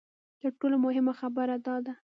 تر ټولو مهمه خبره دا ده.